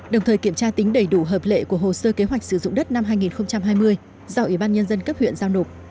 đồng thời kiểm tra tính đầy đủ hợp lệ của hồ sơ kế hoạch sử dụng đất năm hai nghìn hai mươi do ủy ban nhân dân cấp huyện giao nộp